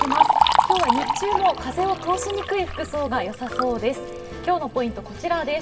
今日は日中も風を通しにくい服装がよさそうです。